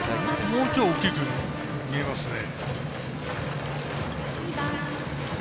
もうちょい大きく見えますね。